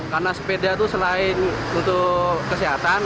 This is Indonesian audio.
karena sepeda itu selain untuk kesehatan